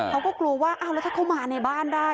เขาก็กลัวว่าอ้าวแล้วถ้าเขามาในบ้านได้